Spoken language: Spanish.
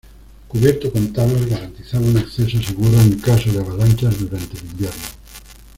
Cubierto con tablas, garantizaba un acceso seguro en caso de avalanchas durante el invierno.